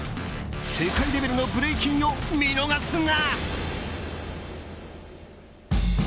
世界レベルのブレイキンを見逃すな！